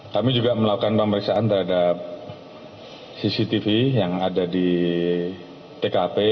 kami juga melakukan pemeriksaan terhadap cctv yang ada di tkp